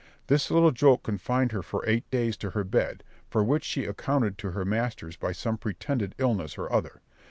This little joke confined her for eight days to her bed, for which she accounted to her masters by some pretended illness or other.